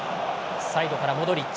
サイドからモドリッチ。